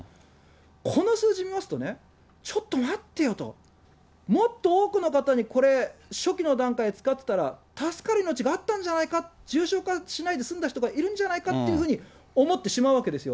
この数字見ますとね、ちょっと待ってよと、もっと多くの方にこれ、初期の段階で使ってたら、助かる命があったんじゃないか、重症化しないで済んだ人がいるんじゃないかというふうに思ってしまうわけですよ。